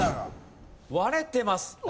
割れてます。